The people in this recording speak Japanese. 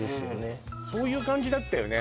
うんそういう感じだったよね